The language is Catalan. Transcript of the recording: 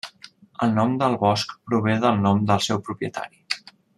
El nom del bosc prové del nom del seu propietari.